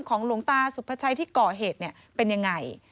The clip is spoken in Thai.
หลวงตาสุภาชัยที่ก่อเหตุเป็นยังไง